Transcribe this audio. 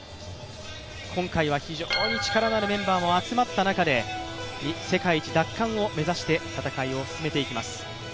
今回は非常に力のあるメンバーも集まった中で世界一奪還を目指して戦いを進めていきます。